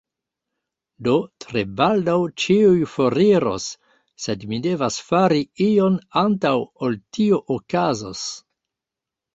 Do, tre baldaŭ ĉiuj foriros sed mi devas fari ion antaŭ ol tio okazos